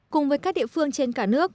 cùng với các địa phương trên cả nước